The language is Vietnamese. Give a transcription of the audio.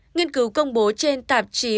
nghiên cứu công bố trên tạp chí